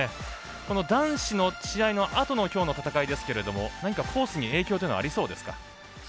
男子の試合のあとのきょうの戦いですけれども何かコースに影響というのはありそうですか？